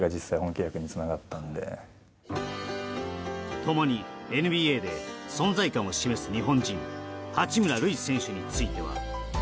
共にＮＢＡで存在感を示す日本人八村塁選手については。